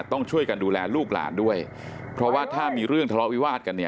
ต้องช่วยกันดูแลลูกหลานด้วยเพราะว่าถ้ามีเรื่องทะเลาะวิวาสกันเนี่ย